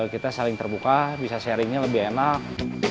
kita saling terbuka bisa sharingnya lebih enak